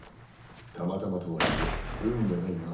たまたまとはいえ運がないな。